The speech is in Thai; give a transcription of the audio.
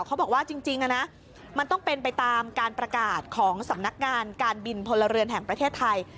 เขาบอกว่าจริงนะมันต้องเป็นไปตามการประกาศของสำนักงานการบินพลเรือนแห่งประเทศไทย